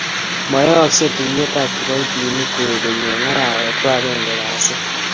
mayaaksei tuyetab kiboitinik kwekeny Eng' arawet ko agenge kasi